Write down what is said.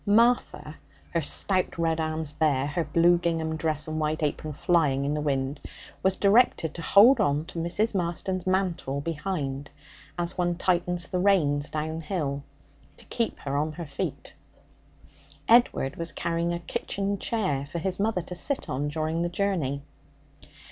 Martha, her stout red arms bare, her blue gingham dress and white apron flying in the wind, was directed to hold on to Mrs. Marston's mantle behind as one tightens the reins downhill to keep her on her feet. Edward was carrying a kitchen chair for his mother to sit on during the journey.